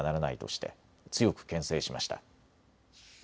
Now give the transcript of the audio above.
して強くけん制しました。